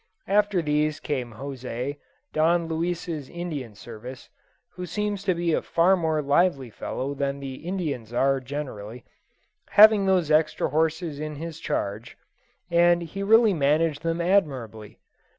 After these came José, Don Luis's Indian servant (who seems to be a far more lively fellow than Indians are generally), having these extra horses in his charge; and he really managed them admirably.